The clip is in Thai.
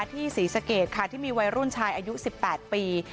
ศรีสะเกดค่ะที่มีวัยรุ่นชายอายุ๑๘ปี